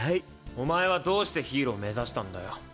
お前はどうしてヒーローを目指したんだよ。